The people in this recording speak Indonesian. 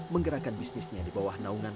menggerakkan bisnisnya di bawah naungan